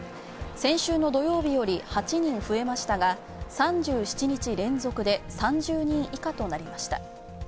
先週の土曜日より８人増えましたが３７日連続で３０人以下となりました。